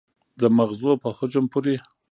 د مغزو په حجم پورې